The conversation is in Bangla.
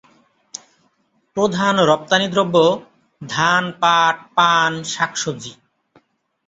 প্রধান রপ্তানিদ্রব্য ধান, পাট, পান, শাকসবজি।